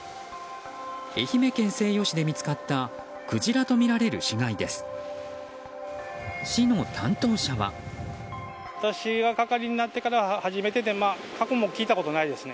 愛媛県西予市で見つかったクジラとみられる死骸です。